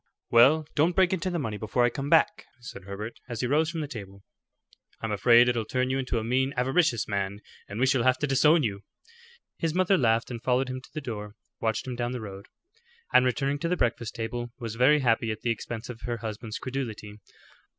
"Well, don't break into the money before I come back," said Herbert as he rose from the table. "I'm afraid it'll turn you into a mean, avaricious man, and we shall have to disown you." His mother laughed, and following him to the door, watched him down the road; and returning to the breakfast table, was very happy at the expense of her husband's credulity.